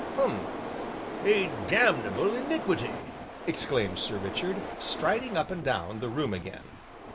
"Hum!" "A damnable iniquity," exclaimed Sir Richard, striding up and down the room again.